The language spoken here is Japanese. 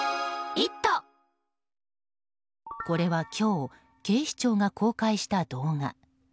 これは今日警視庁が公開した動画。